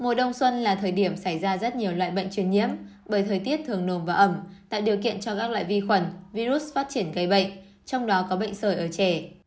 mùa đông xuân là thời điểm xảy ra rất nhiều loại bệnh truyền nhiễm bởi thời tiết thường nồm và ẩm tạo điều kiện cho các loại vi khuẩn virus phát triển gây bệnh trong đó có bệnh sởi ở trẻ